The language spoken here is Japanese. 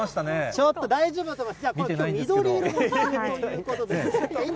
ちょっと大丈夫だと思います。